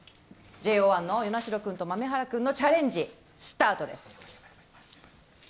ＪＯ１の與那城君と豆原君のチャレンジスタートです。